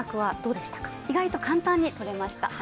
意外と簡単にとれました。